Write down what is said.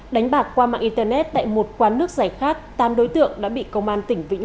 đánh bạc qua mạng internet tại một quán nước giải khát tám đối tượng đã bị công an tỉnh vĩnh